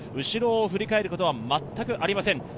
後ろを振り返ることは全くありません。